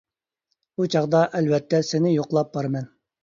ئۇ چاغدا ئەلۋەتتە سېنى يوقلاپ بارىمەن.